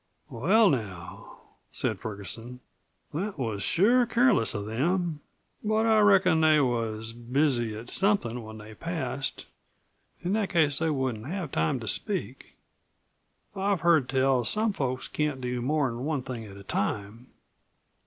"Well, now," said Ferguson. "That was sure careless of them. But I reckon they was busy at somethin' when they passed. In that case they wouldn't have time to speak. I've heard tell that some folks can't do more'n one thing at a time."